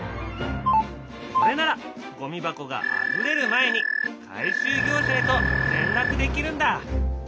これならゴミ箱があふれる前に回収業者へと連絡できるんだ。